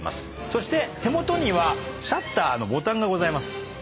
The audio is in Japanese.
そして手元にはシャッターのボタンがございます。